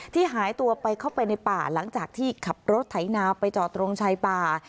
หายตัวไปเข้าไปในป่าหลังจากที่ขับรถไถนาไปจอดตรงชายป่า